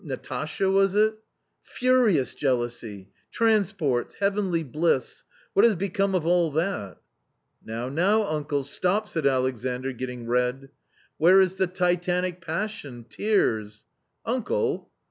— Natasha — was it ? Furious jealousy, transports, heavenly bliss. What has become of all that?" " Now, now, uncle, stop !" said Alexandr, getting red. "Where is the titanic passion, tears?" "Uncle!"